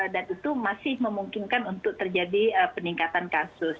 dan itu masih memungkinkan untuk terjadi peningkatan kasus